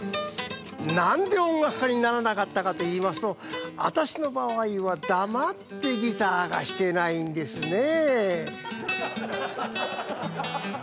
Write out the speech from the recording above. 何で音楽家にならなかったかといいますと私の場合は黙ってギターが弾けないんですねえ。